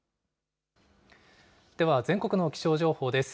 では全国の気象情報です。